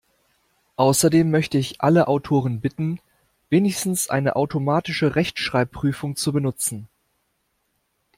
Außerdem möchte ich alle Autoren bitten, wenigstens eine automatische Rechtschreibprüfung zu benutzen.